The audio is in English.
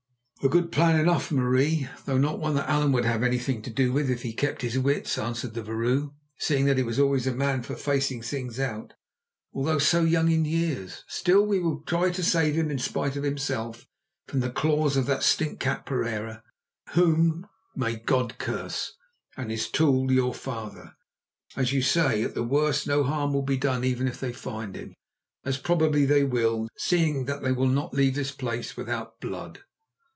"A good plan enough, Marie, though not one that Allan would have anything to do with if he kept his wits," answered the vrouw, "seeing that he was always a man for facing things out, although so young in years. Still, we will try to save him in spite of himself from the claws of that stinkcat Pereira, whom may God curse, and his tool, your father. As you say, at the worst no harm will be done even if they find him, as probably they will, seeing that they will not leave this place without blood."